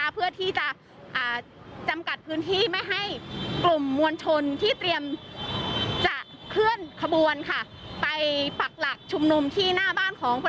เพื่อทำกัดพื้นที่ให้กลุ่มมวลชนที่เตรียมเคลื่อนขบวนไปผลักหลักชุมนุมนะครับ